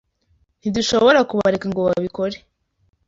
Ntidushobora kubareka ngo babikore.